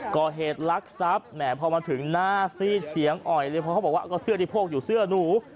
ก่อเหตุลักษัพแหมพอมาถึงหน้าซีดเสียงอ่อยเลยเพราะเขาบอกว่าก็เสื้อที่โพกอยู่เสื้อหนู